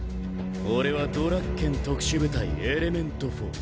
俺はドラッケン特殊部隊エレメント４。